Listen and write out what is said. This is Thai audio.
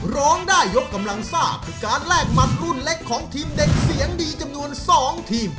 ร้องได้ยกกำลังซ่าคือการแลกหมัดรุ่นเล็กของทีมเด็กเสียงดีจำนวน๒ทีม